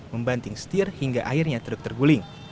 membanting setir hingga akhirnya truk terguling